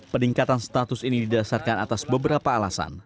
peningkatan status ini didasarkan atas beberapa alasan